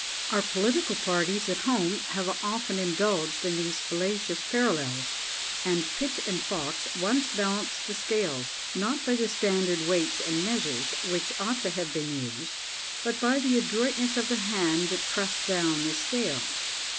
Our political parties at home have often indulged in these fallacious parallels, and Pitt and Fox once balanced the scales, not by the standard weights and measures which ought to have been used, but by the adroitness of the hand that pressed down the scale.